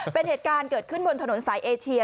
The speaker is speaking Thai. เป็นเหตุการณ์เกิดขึ้นบนถนนสายเอเชีย